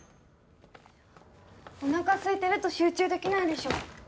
おなかすいてると集中できないでしょ。